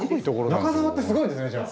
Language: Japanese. なかざわってすごいんですねじゃあ。